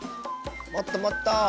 もっともっと。